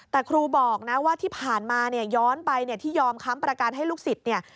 แต่ครูบอกว่าที่ผ่านมาย้อนไปที่ยอมค้ำประการให้ลูกศิษฐ์